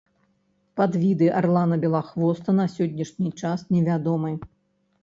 Падвіды арлана-белахвоста на сённяшні час невядомы.